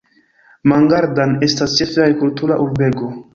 Mangaldan estas ĉefe agrikultura urbego.